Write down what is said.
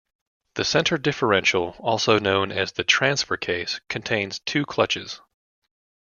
The centre differential, also known as the transfer case, contains two clutches.